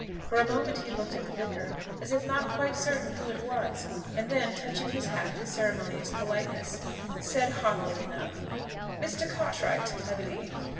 For a moment he looked at the vicar, as if not quite certain who it was, and then, touching his hat with ceremonious politeness, said, haughtily enough, "Mr. Cartwright, I believe?"